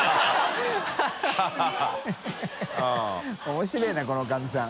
面白いなこの女将さん。